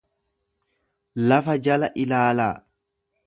Lafa jala ilaalaa.